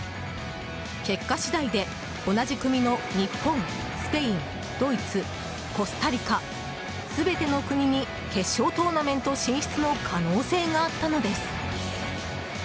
結果次第で同じ組の日本、スペイン、ドイツコスタリカ、全ての国に決勝トーナメント進出の可能性があったのです。